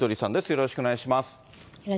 よろしくお願いします。